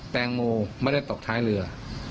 แตงโมไม่ได้ตกท้ายเรือ